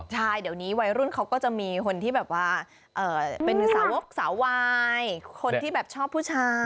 ใช่เดี๋ยวนี้วัยรุ่นเขาก็จะมีคนที่แบบว่าเป็นสาวกสาววายคนที่แบบชอบผู้ชาย